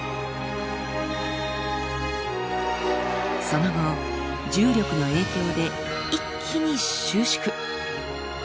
その後重力の影響で一気に収縮。